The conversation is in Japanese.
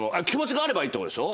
気持ちがあれば。